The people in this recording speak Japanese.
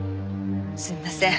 すみません